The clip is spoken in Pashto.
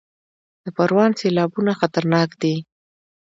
د پروان سیلابونه خطرناک دي